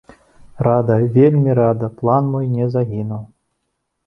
Рада, вельмі рада, план мой не загінуў.